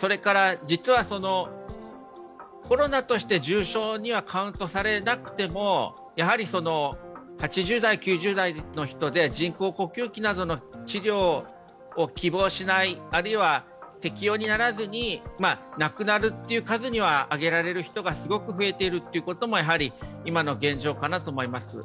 それから実は、コロナとして重症にはカウントされなくてもやはり８０代、９０代の人で人工呼吸器などの治療を希望しない、あるいは適用にならずに亡くなるという数には挙げられる人がすごく増えてるのが今の現状かなと思います。